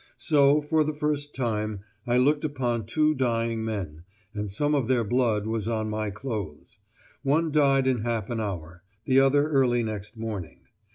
So, for the first time I looked upon two dying men, and some of their blood was on my clothes. One died in half an hour the other early next morning.